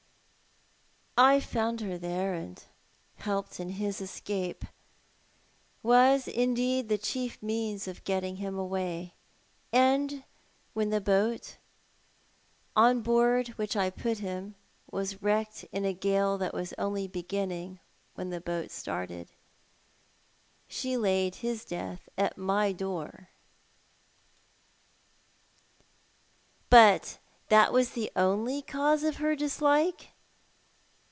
I found her there, and helped in his escape— was indeed tho chief means of getting him away, and when the boat, on board which I put him, was wrecked in a gale that was only begin ning when the boat started, she laid his death at my door." 268 Thoit art the Alan. "But was that the only cause of her dislike?